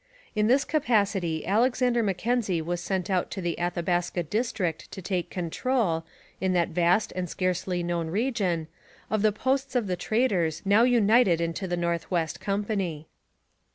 In this capacity Alexander Mackenzie was sent out to the Athabaska district to take control, in that vast and scarcely known region, of the posts of the traders now united into the North West Company.